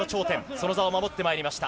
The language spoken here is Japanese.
その座を守ってまいりました。